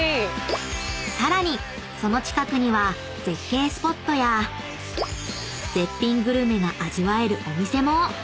［さらにその近くには絶景スポットや絶品グルメが味わえるお店も］